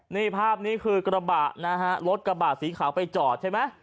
นี่ภาพนี้คือกระบะนะฮะรถกระบะสีขาวไปจอดใช่ไหม